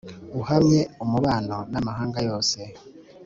Uhamye umubano n amahanga yose